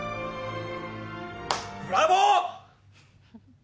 ブラボー！